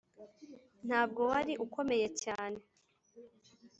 ntabwo wari ukomeye cyane.